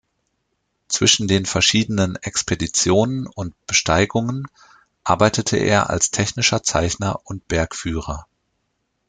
Zwischen den verschiedenen Expeditionen und Besteigungen arbeitete er als technischer Zeichner und Bergführer.